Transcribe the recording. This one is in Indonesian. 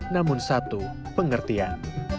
namun satu pengertian